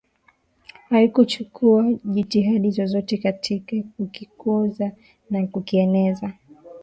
haikuchukua jitihada zozote katika kukikuza na kukieneza